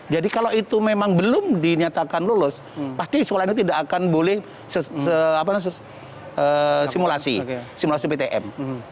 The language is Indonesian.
jadi kalau itu memang belum dinyatakan lulus pasti sekolah ini tidak akan boleh simulasi ptm